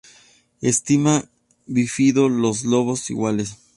Estigma bífido, los lobos iguales.